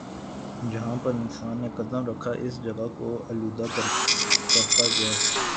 جہاں پر انسان نے قدم رکھا اس جگہ کو آلودہ کرتا گیا